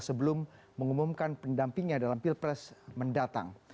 sebelum mengumumkan pendampingnya dalam pilpres mendatang